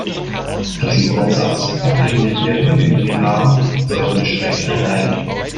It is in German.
Diesen Grundsatz, auf den Sie hier hingewiesen haben, sollten wir strikt einhalten.